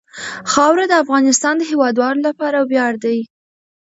خاوره د افغانستان د هیوادوالو لپاره ویاړ دی.